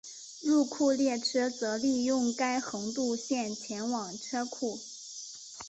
入库列车则利用该横渡线前往车库。